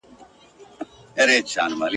پر هوښ راغی ته وا مړی را ژوندی سو !.